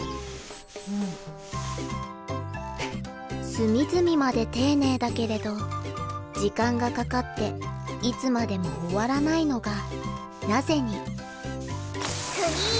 隅々まで丁寧だけれど時間がかかっていつまでも終わらないのがナゼニスリーーー！